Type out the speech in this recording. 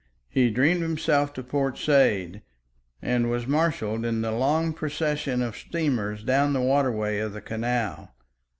He dreamed himself to Port Said, and was marshalled in the long procession of steamers down the waterway of the canal.